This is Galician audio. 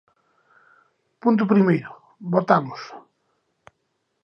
Punto primeiro, votamos.